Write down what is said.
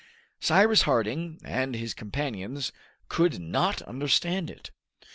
Cyrus Harding and his companions could not understand it.